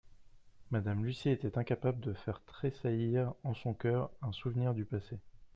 Madame Lucy était incapable de faire tressaillir en son cœur un souvenir du passé.